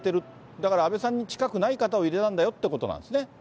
だから安倍さんに近くない方を入れたんだよということなんですね。